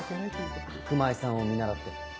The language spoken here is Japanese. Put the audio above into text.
熊井さんを見習って。